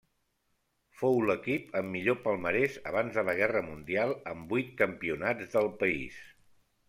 Fou l'equip amb millor palmarès abans de la Guerra Mundial amb vuit campionats del país.